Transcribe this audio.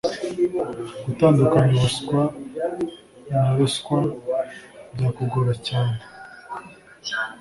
gutandukanya ubuswa na ruswabyakugora cyane